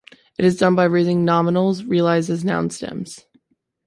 It is done by raising nominals realized as noun stems.